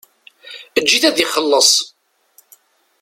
Eǧǧ-it ad t-ixelleṣ.